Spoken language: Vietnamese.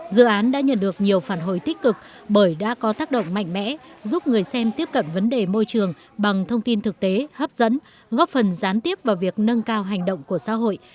dự án đã nhận được nhiều phản hồi tích cực bởi đã có tác động mạnh mẽ giúp người xem tiếp cận vấn đề môi trường bằng thông tin thực tế hấp dẫn góp phần gián tiếp vào việc nâng cao hành động của xã hội